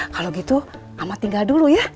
kalo gitu ama tinggal dulu ya